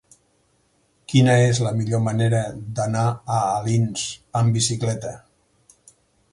Quina és la millor manera d'anar a Alins amb bicicleta?